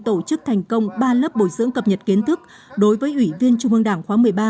tổ chức thành công ba lớp bồi dưỡng cập nhật kiến thức đối với ủy viên trung ương đảng khóa một mươi ba